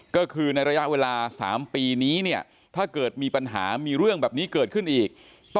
ก็คือในระยะเวลา๓ปีนี้เนี่ยถ้าเกิดมีปัญหามีเรื่องแบบนี้เกิดขึ้นอีก